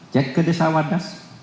cek ke desa wadas